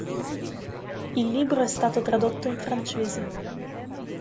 Il libro è stato tradotto in francese.